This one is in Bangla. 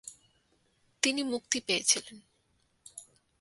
তিনি মুক্তি পেয়েছিলেন।